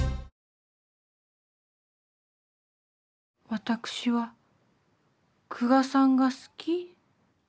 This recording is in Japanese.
私は久我さんが好き？